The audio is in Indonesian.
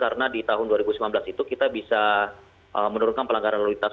karena di tahun dua ribu sembilan belas itu kita bisa menurunkan pelanggaran lalu lintas